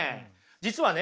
実はね